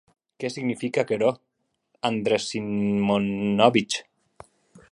Qué signifique aquerò, Andrés Simonovitch?